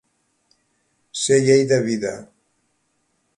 Ser llei de vida.